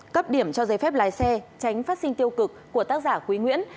cấp điểm cho giấy phép lái xe tránh phát sinh tiêu cực của tác giả quý nguyễn